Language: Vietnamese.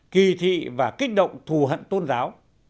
kỳ thị và kích động thù hận tôn giáo